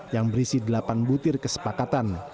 yang berisi delapan butir kesepakatan